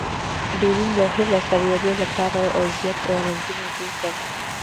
ډیرن لیهر د اسټرالیا له پاره زیات رنزونه جوړ کړل.